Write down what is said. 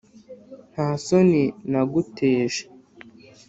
Nta soni naguteje